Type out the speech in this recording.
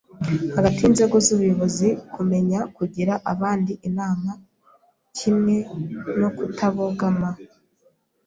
hagati y’inzego z’ubuyobozi, kumenya kugira abandi inama kimwe no kutabogama,